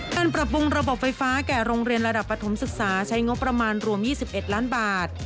ปรับปรุงระบบไฟฟ้าแก่โรงเรียนระดับปฐมศึกษาใช้งบประมาณรวม๒๑ล้านบาท